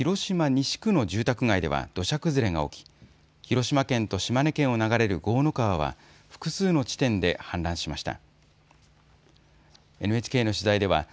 西区の住宅街では土砂崩れが起き広島県と島根県を流れる江の川は複数の地点で氾濫しました。